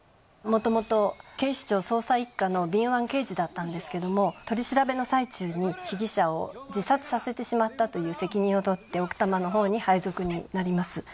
もともと警視庁捜査一課の敏腕刑事だったんですけども取り調べの最中に被疑者を自殺させてしまったという責任を取って奥多摩のほうに配属になります。